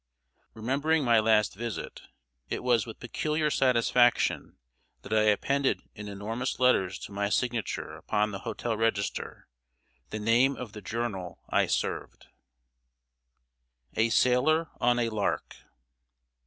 Remembering my last visit, it was with peculiar satisfaction that I appended in enormous letters to my signature upon the hotel register, the name of the journal I served. [Sidenote: A SAILOR ON A LARK.